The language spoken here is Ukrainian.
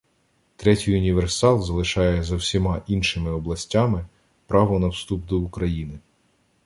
Третій універсал залишає за всіма іншими областями право на вступ до України.